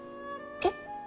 えっ？